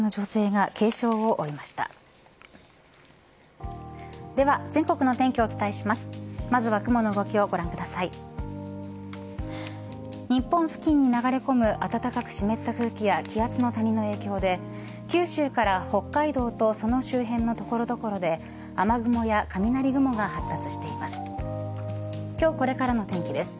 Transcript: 日本付近に流れ込む暖かく湿った空気や気圧の谷の影響で九州から北海道とその周辺の所々で雨雲や雷雲が発達しています。